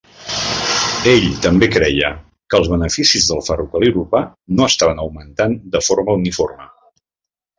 Ell també creia que els beneficis del ferrocarril urbà no estaven augmentat de forma uniforme.